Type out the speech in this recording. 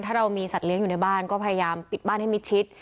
ถ้าเรามีสัตว์เลี้ยงอยู่ในบ้านก็พยายามปิดบ้านให้มิดชิด